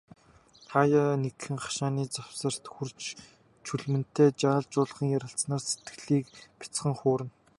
Хааяа нэгхэн, хашааны завсарт хүрч, Чүлтэмтэй жаал жуулхан ярилцсанаар сэтгэлийг бяцхан хуурна.